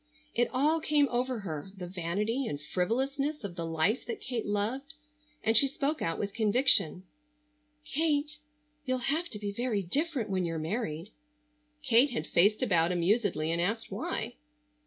It all came over her, the vanity and frivolousness of the life that Kate loved, and she spoke out with conviction: "Kate, you'll have to be very different when you're married." Kate had faced about amusedly and asked why.